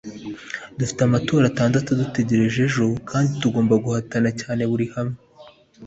Dufite amatora atandatu adutegereje ejo kandi tugomba guhatana cyane buri hamwe